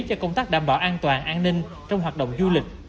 cho công tác đảm bảo an toàn an ninh trong hoạt động du lịch